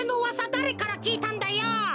だれからきいたんだよ？